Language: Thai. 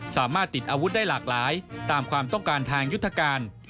สามารถติดอาวุธได้หลากหลายตามความต้องการทางยุทธการ